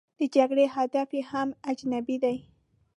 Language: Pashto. د جګړې هدف یې هم اجنبي دی.